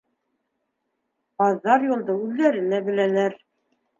- Ҡаҙҙар юлды үҙҙәре лә беләләр.